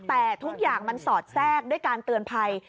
แต่ทุกอย่างมันสอดแทรกด้วยการเตือนภัย